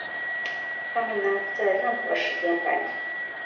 它们能在任何时间繁殖。